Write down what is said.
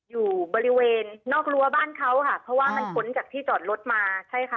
อยู่บริเวณนอกรั้วบ้านเขาค่ะเพราะว่ามันพ้นจากที่จอดรถมาใช่ค่ะ